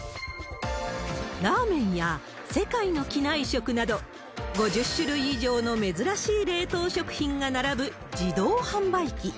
ラーメンや世界の機内食など、５０種類以上の珍しい冷凍食品が並ぶ自動販売機。